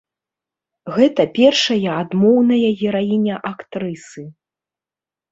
Гэта першая адмоўная гераіня актрысы.